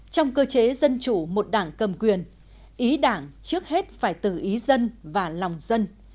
trong cơ chế dân chủ một đảng cầm quyền ý đảng trước hết phải từ ý dân và lòng dân